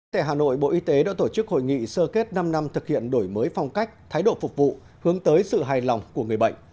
tại hà nội bộ y tế đã tổ chức hội nghị sơ kết năm năm thực hiện đổi mới phong cách thái độ phục vụ hướng tới sự hài lòng của người bệnh